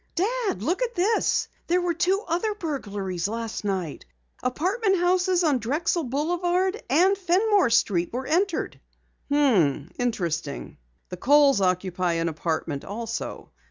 "Dad, look at this! There were two other burglaries last night! Apartment houses on Drexel Boulevard and Fenmore Street were entered." "H m, interesting. The Kohls occupy an apartment also.